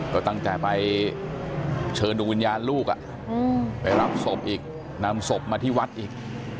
ก็ตั้งแต่ไปเชิญดูวิญญาณลูกไปรับศพอีกนำศพมาที่วัดอีก